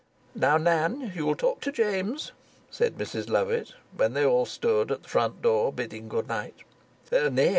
"Now, Nan, you'll talk to James," said Mrs Lovatt, when they all stood at the front door bidding good night.